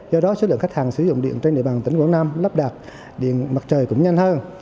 do đó số lượng khách hàng sử dụng điện trên địa bàn tỉnh quảng nam lắp đặt điện mặt trời cũng nhanh hơn